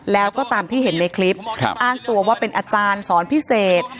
แล้วก็ตามที่เห็นในคลิปอ้างตัวว่าเป็นอาจารย์สอนพิเศษ